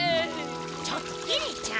ちょっときりちゃん！